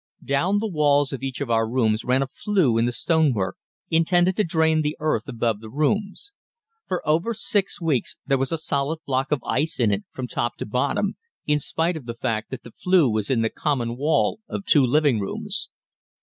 Down the walls of each of our rooms ran a flue in the stonework, intended to drain the earth above the rooms. For over six weeks there was a solid block of ice in it from top to bottom, in spite of the fact that the flue was in the common wall of two living rooms.